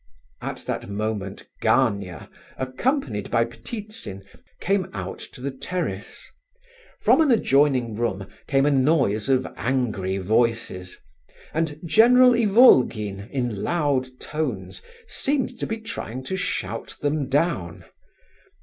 At that moment Gania, accompanied by Ptitsin, came out to the terrace. From an adjoining room came a noise of angry voices, and General Ivolgin, in loud tones, seemed to be trying to shout them down.